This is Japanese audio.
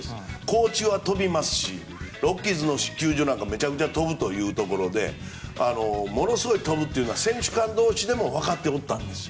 高地は飛びますし球場なんかは大きい球場はめちゃくちゃ飛ぶというところでものすごい飛ぶというのは選手間同士でも分かっておったんです。